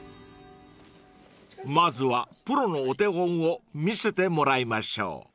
［まずはプロのお手本を見せてもらいましょう］